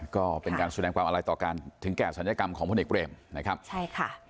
ก็เป็นการแสดงความอาลัยต่อการถึงแก่สัญญากรรมของพ่นเอกเกรมนะครับ